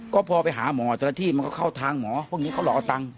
ก็พอไปหาหมอเจ้าหน้าที่มันก็เข้าทางหมอพวกนี้เขาหลอกเอาตังค์